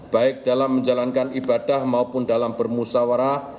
baik dalam menjalankan ibadah maupun dalam bermusawarah